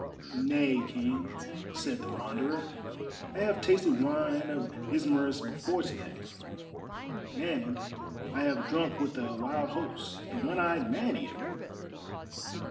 "Nay, King," said the Wanderer, "I have tasted wine of Ismarus before to day, and I have drunk with a wild host, the one eyed Man Eater!"